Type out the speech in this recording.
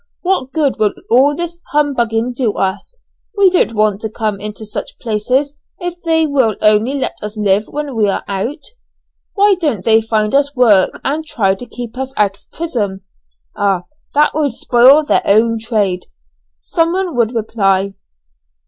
What good will all this humbugging do us? We don't want to come into such places if they will only let us live when we are out. Why don't they find us work and try to keep us out of prison?" "Ah! that would spoil their own trade," someone would reply.